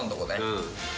うん。